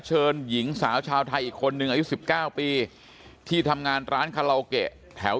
เชิญหญิงสาวชาวไทยอีกคนนึงอายุ๑๙ปีที่ทำงานร้านคาราโอเกะแถว